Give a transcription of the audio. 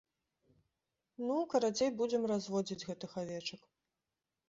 Ну, карацей, будзем разводзіць гэтых авечак.